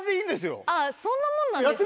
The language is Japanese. そんなもんなんですね。